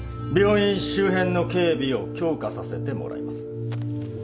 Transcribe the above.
病院周辺の警備を強化させてもらいます。